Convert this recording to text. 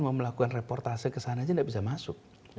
mau melakukan reportase ke sana saja tidak bisa masuk